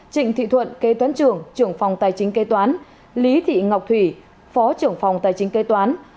trịnh thị thuận kê toán trưởng trưởng phòng tài chính kê toán lý thị ngọc thủy phó trưởng phòng tài chính kê toán